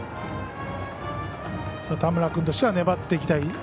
田村君としては粘っていきたい